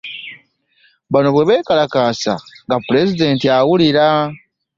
Bano bwe beekalakasa nga pulezidenti awulira.